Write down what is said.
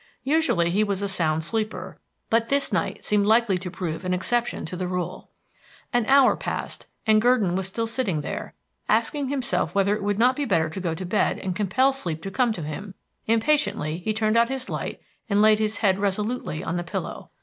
Usually he was a sound sleeper; but this night seemed likely to prove an exception to the rule. An hour passed, and Gurdon was still sitting there, asking himself whether it would not be better to go to bed and compel sleep to come to him. Impatiently he turned out his light and laid his head resolutely on the pillow.